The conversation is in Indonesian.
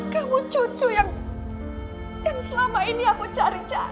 kamu cucu yang selama ini aku cari cari